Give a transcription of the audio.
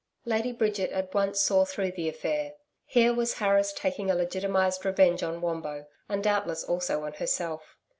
Lady Bridget at once saw through the affair. Here was Harris taking a legitimized revenge on Wombo, and doubtless also on herself.